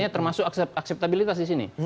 termasuk akseptabilitas di sini